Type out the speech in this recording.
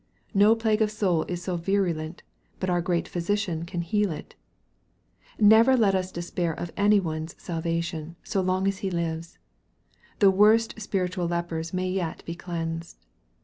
No plague of soul is so virulent but our Great Physician can heal it. Let us never despair of any one's salvation, so long as he lives. The worst of spiritual lepers may yet be cleansed.